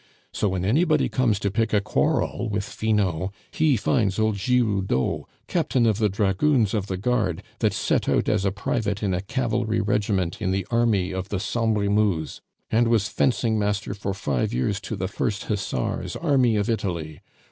So when anybody comes to pick a quarrel with Finot, he finds old Giroudeau, Captain of the Dragoons of the Guard, that set out as a private in a cavalry regiment in the army of the Sambre et Meuse, and was fencing master for five years to the First Hussars, army of Italy!